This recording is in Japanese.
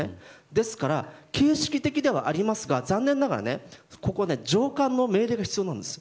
ですから、形式的ではありますが残念ながらここは上官の命令が必要なんです。